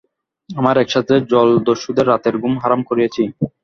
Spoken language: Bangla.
আমরা একসাথে জলদস্যুদের রাতের ঘুম হারাম করেছি।